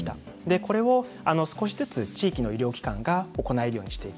これを少しずつ地域の医療機関が行えるようにしていく。